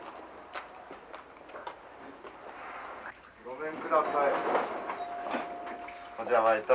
ごめんください。